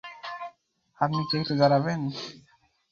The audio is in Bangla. আপনি কি একটু দাঁড়াবেন?